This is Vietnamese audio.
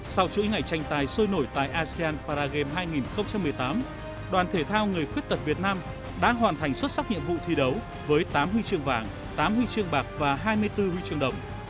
sau chuỗi ngày tranh tài sôi nổi tại asean paragame hai nghìn một mươi tám đoàn thể thao người khuyết tật việt nam đã hoàn thành xuất sắc nhiệm vụ thi đấu với tám huy chương vàng tám huy chương bạc và hai mươi bốn huy chương đồng